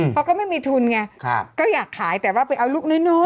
เพราะก็ไม่มีทุนไงก็อยากขายแต่ว่าไปเอาลูกน้อย